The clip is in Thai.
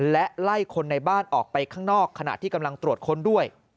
และไล่คนในบ้านออกไปข้างนอกขณะที่กำลังตรวจค้นด้วย